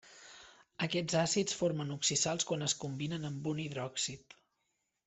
Aquests àcids formen oxisals quan es combinen amb un hidròxid.